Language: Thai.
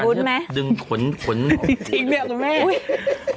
เขาเล่นบุ๋นบุ๋นไหมมีใครเล่นไงน้องบุ๋นบุ๋นไหม